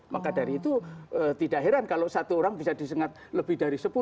maka dari itu tidak heran kalau satu orang bisa disengat lebih dari sepuluh